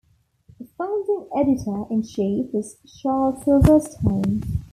The founding editor-in-chief was Charles Silverstein.